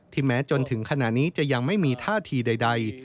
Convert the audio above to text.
แม้จนถึงขณะนี้จะยังไม่มีท่าทีใด